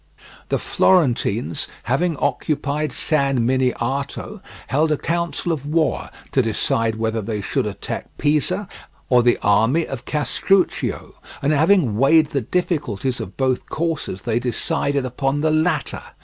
The Florentines, having occupied San Miniato, held a council of war to decide whether they should attack Pisa or the army of Castruccio, and, having weighed the difficulties of both courses, they decided upon the latter.